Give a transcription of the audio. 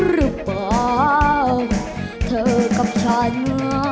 หรือเปล่าเธอกับฉัน